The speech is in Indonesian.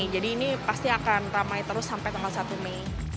jadi ini pasti akan ramai terus sampai tanggal satu mei